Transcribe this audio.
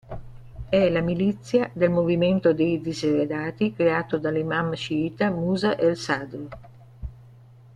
È la milizia del "Movimento dei diseredati" creato dall'imam sciita Musa al-Sadr.